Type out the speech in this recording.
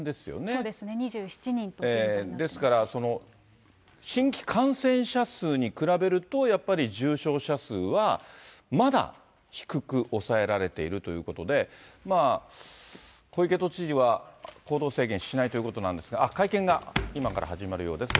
そうですね、２７日と現在、ですから、新規感染者数に比べると、やっぱり重症者数はまだ低く抑えられているということで、まあ、小池都知事は行動制限しないということなんですが、会見が今から始まるようです。